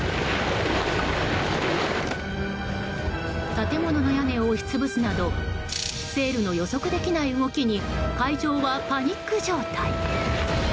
建物の屋根を押し潰すなどセールの予測できない動きに会場はパニック状態に。